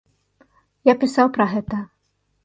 Я пісаў пра гэта.